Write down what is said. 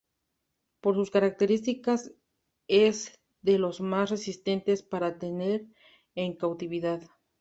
Por sus características es de los más resistentes para tener en cautividad.